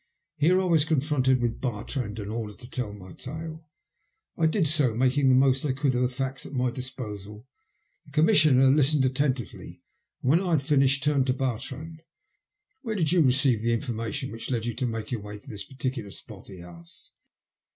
Here I was confronted with Bartrand, and ordered to tell my tale. I did so, making the most I could of the facts at my disposal. The Commissioner listened attentively, and when I had finished turned to Bartrand. *' Where did you receive the information which led you to make your way to this particular spot ?" he asked.